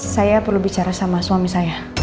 saya perlu bicara sama suami saya